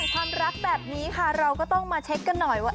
ความรักแบบนี้ค่ะเราก็ต้องมาเช็คกันหน่อยว่า